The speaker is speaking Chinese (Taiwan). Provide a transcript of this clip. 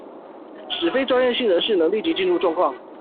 使非專業性人士能立即進入狀況